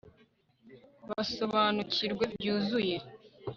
basobanukirwe byuzuye